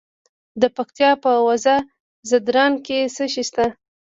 د پکتیا په وزه ځدراڼ کې څه شی شته؟